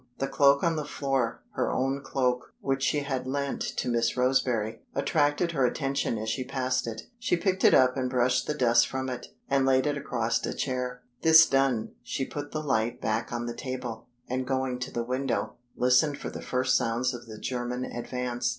The cloak on the floor her own cloak, which she had lent to Miss Roseberry attracted her attention as she passed it. She picked it up and brushed the dust from it, and laid it across a chair. This done, she put the light back on the table, and going to the window, listened for the first sounds of the German advance.